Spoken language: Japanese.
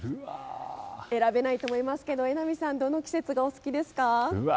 選べないと思いますけど榎並さん、どの季節が好きですか。